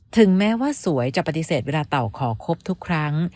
ถึงแม้ว่าสวยจะปฏิเสธเวลาเต่าขอครบทุกครั้ง